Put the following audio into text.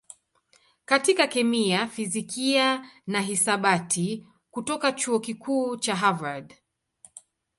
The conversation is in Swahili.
katika kemia, fizikia na hisabati kutoka Chuo Kikuu cha Harvard.